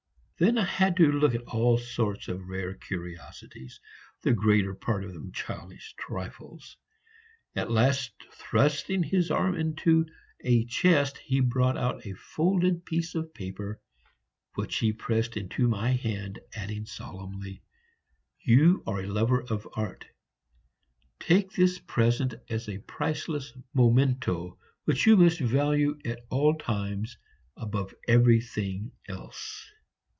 Then I had to look at all sorts of rare curiosities, the greater part of them childish trifles; at last thrusting his arm into a chest, he brought out a folded piece of paper, which he pressed into my hand, adding solemnly, "You are a lover of art; take this present as a priceless memento, which you must value at all times above everything else."